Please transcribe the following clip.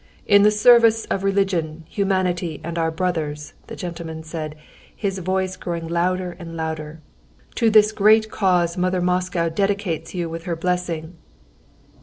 "In the service of religion, humanity, and our brothers," the gentleman said, his voice growing louder and louder; "to this great cause mother Moscow dedicates you with her blessing.